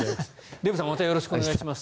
デーブさんまたよろしくお願いします。